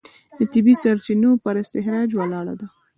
د طبیعي سرچینو پر استخراج ولاړه ده.